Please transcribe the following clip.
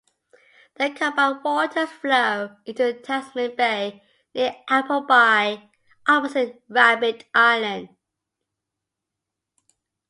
The combined waters flow into Tasman Bay near Appleby, opposite Rabbit Island.